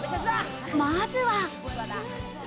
まずは。